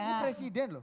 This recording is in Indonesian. ini presiden loh